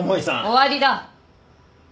終わりだ。